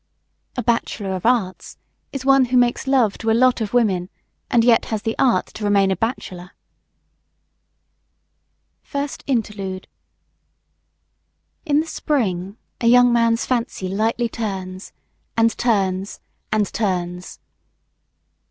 A Bachelor of Arts is one who makes love to a lot of women, and yet has the art to remain a bachelor. FIRST INTERLUDE IN the spring a young man's fancy lightly turns and turns and turns!